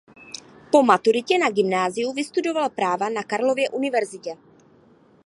Po maturitě na gymnáziu vystudoval práva na Karlově Univerzitě.